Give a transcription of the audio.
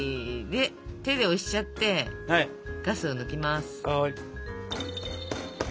で手で押しちゃってガスを抜きます。